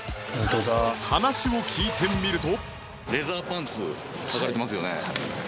話を聞いてみると